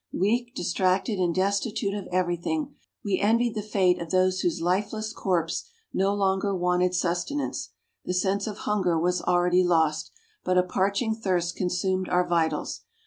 Weak, distracted, and destitute of every thing, we envied the fate of those whose lifeless corpses no longer wanted sustenance. The sense of hunger was already lost, but a parching thirst consumed our vitals.